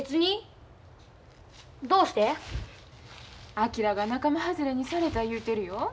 昭が仲間外れにされた言うてるよ。